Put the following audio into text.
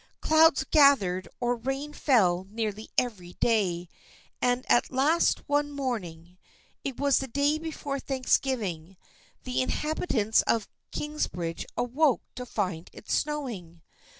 Clouds gathered or rain fell nearly every day, and at last one morning — it was the day before Thanksgiving — the inhabitants of Kingsbridge awoke to find it snowing.